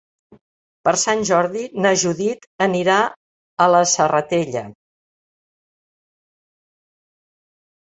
Per Sant Jordi na Judit anirà a la Serratella.